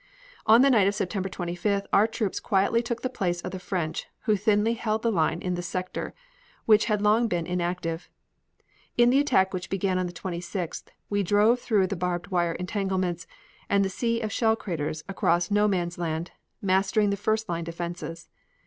On the night of September 25th our troops quietly took the place of the French who thinly held the line in this sector which had long been inactive. In the attack which began on the 26th we drove through the barbed wire entanglements and the sea of shell craters across No Man's Land, mastering the first line defenses.